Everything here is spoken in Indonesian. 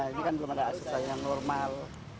ini kan belum ada aset yang normal